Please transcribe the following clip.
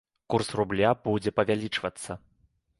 Курс рубля будзе павялічвацца.